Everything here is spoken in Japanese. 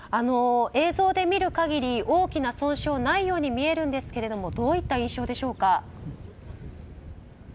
映像で見る限り大きな損傷はないように見えるんですがどういった印象でしょうか。